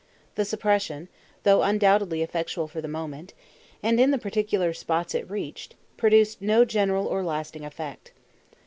The suppression, though undoubtedly effectual for the moment, and in the particular spots it reached, produced no general or lasting effect.